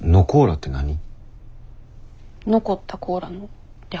「残ったコーラ」の略。